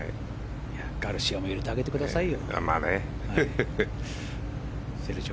ガルシアも入れてあげてくださいよ。